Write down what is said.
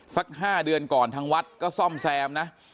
สัก๕เดือนก่อนทางวัดก็ซ่อมแซมนะ